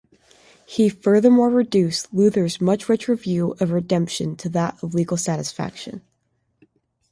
He furthermore reduced Luther's much richer view of redemption to that of legal satisfaction.